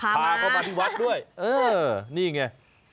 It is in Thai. พาเขามาที่วัดด้วยเออนี่ไง